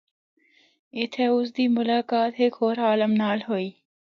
اِتھا اُس دی ملاقات ہک ہور عالم نال ہوئی۔